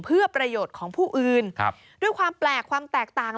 เพื่อประโยชน์ของผู้อื่นด้วยความแปลกความแตกต่าง